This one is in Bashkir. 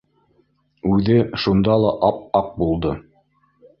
Үҙе шунда ла ап-аҡ булды.